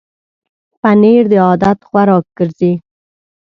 پنېر د عادت خوراک ګرځي.